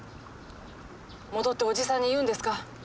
戻っておじさんに言うんですか？